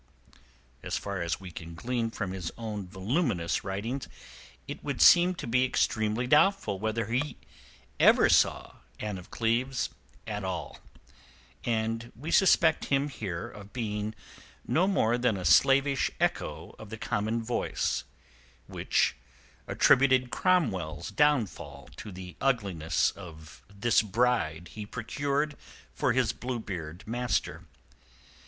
As far as we can glean from his own voluminous writings it would seem to be extremely doubtful whether he ever saw Anne of Cleves at all, and we suspect him here of being no more than a slavish echo of the common voice, which attributed Cromwell's downfall to the ugliness of this bride he procured for his Bluebeard master.